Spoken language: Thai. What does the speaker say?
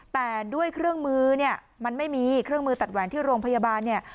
แต่ด้วยเครื่องมือเนี่ยมันไม่มีเครื่องมือตัดแหวนที่โรงพยาบาลเนี่ย